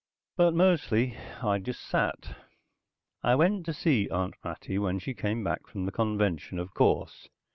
But mostly I just sat. I went to see Aunt Mattie when she came back from the convention, of course.